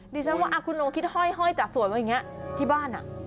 ดิฉันว่าคุณลองคิดห้อยจัดสวนไว้อย่างนี้ที่บ้าน